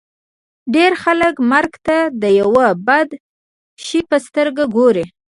ډېر خلک مرګ ته د یوه بد شي په سترګه ګوري